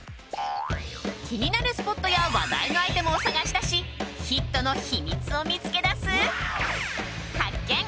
気になるスポットや話題のアイテムを探し出しヒットの秘密を見つけ出す発見！